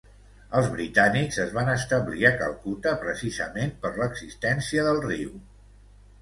Els britànics es van establir a Calcuta precisament per l'existència del riu.